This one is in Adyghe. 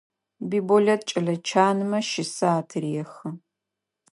Биболэт кӏэлэ чанмэ щысэ атырехы.